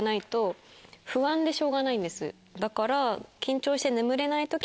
だから。